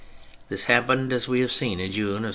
This happened, as we have seen, in June 1791.